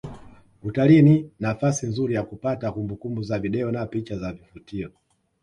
Utalii ni nafasi nzuri ya kupata kumbukumbu za video na picha za vivutio